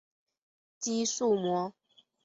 肌束膜。